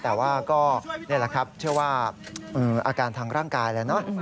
แต่ว่าก็นี่แหละครับเชื่อว่าอาการทางร่างกายแล้วเนอะ